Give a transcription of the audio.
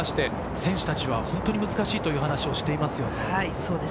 選手たちは本当に難しいと話しています。